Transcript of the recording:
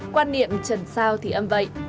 quan niệm trần sao thì âm vậy